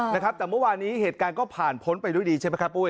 แต่เมื่อวานี้เหตุการณ์ก็ผ่านพ้นไปด้วยดีใช่ไหมครับ